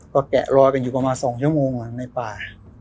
ก็แกะรอยไปอยู่ประมาณสองชั่วโมงอะในป่า